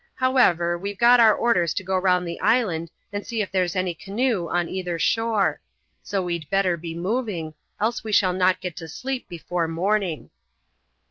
However, we've got our orders to go round the island and see ef there's any canoe on either shore; so we'd better be moving, else we shall not get to sleep before morning."